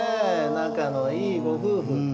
仲のいいご夫婦。